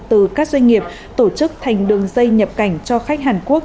từ các doanh nghiệp tổ chức thành đường dây nhập cảnh cho khách hàn quốc